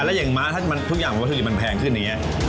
แล้วอย่างม้าทุกอย่างวัตถุดิบมันแพงขึ้นอย่างนี้